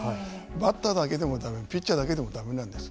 バッターだけでもだめピッチャーだけでもだめなんです。